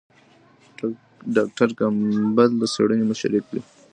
ډاکټر کمپبل د څېړنې مشري کړې.